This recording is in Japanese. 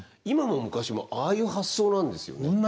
今も昔もああいう発想なんですよね。